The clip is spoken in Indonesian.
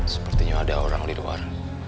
sepertinya ada orang di luar